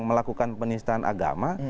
melakukan penyelesaian agama